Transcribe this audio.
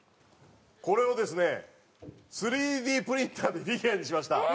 これをですね３Ｄプリンターでフィギュアにしました。